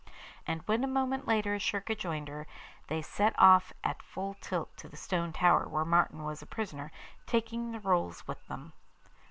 And when a moment later Schurka joined her, they set off at full tilt to the stone tower where Martin was a prisoner, taking the rolls with them.